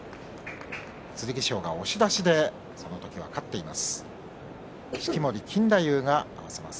剣翔が押し出しで、その時は勝っています。